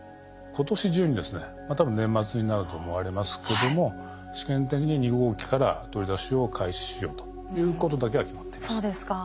今年中にですね多分年末になると思われますけども試験的に２号機から取り出しを開始しようということだけは決まっています。